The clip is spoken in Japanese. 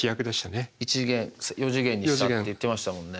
４次元にしたって言ってましたもんね。